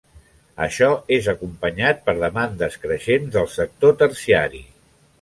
Això és acompanyat per demandes creixents del sector terciari.